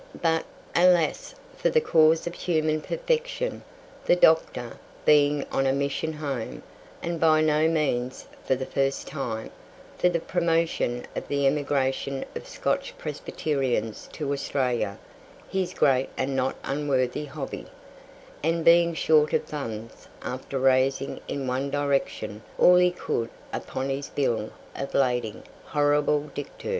But, alas for the cause of human perfection! The Doctor, being on a mission Home, and by no means for the first time, for the promotion of the emigration of Scotch Presbyterians to Australia (his great and not unworthy hobby), and being short of funds after raising in one direction all he could upon his bill of lading, horrible dictu!